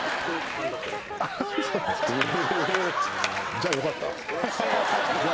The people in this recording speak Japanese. じゃあよかった。